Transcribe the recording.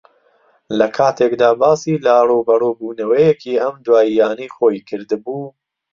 لەکاتێکدا باسی لە ڕووبەڕووبوونەوەیەکی ئەم دواییانەی خۆی کردبوو